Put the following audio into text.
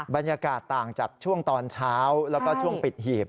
บรรยากาศต่างจากช่วงตอนเช้าแล้วก็ช่วงปิดหีบ